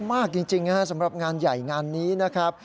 มากจริงนะครับสำหรับงานใหญ่งานนี้นะครับ